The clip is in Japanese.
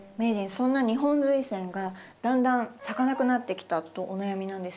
そんなニホンズイセンがだんだん咲かなくなってきたとお悩みなんですけど。